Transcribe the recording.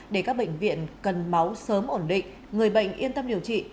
để các bệnh viện cần máu sớm ổn định người bệnh yên tâm điều trị